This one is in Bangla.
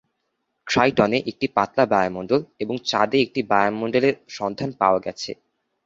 ট্রাইটন এ একটি পাতলা বায়ুমণ্ডল, এবং চাঁদে একটি বায়ুমণ্ডলের সন্ধান পাওয়া গেছে।